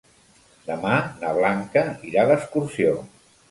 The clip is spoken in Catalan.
Demà na Blanca irà d'excursió.